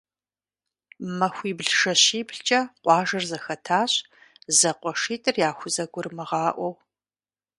Махуибл-жэщиблкӏэ къуажэр зэхэтащ, зэкъуэшитӏыр яхузэгурымыгъаӏуэу.